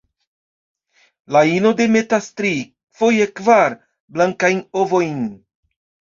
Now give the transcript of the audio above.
La ino demetas tri, foje kvar, blankajn ovojn.